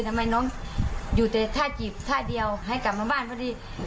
ทำไมน้องอยู่แต่ท่าจีบท่าเดียวให้กลับมาบ้านพอดี